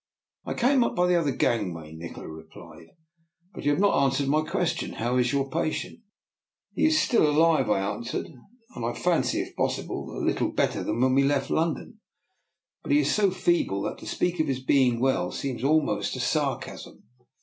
" I came up by the other gangway," Ni kola replied. " But you have not answered my question. How is your patient? "" He is still alive," I answered, " and I fancy, if possible, a little better than when we left London. But he is so feeble that to . speak of his being well seems almost a sar casm.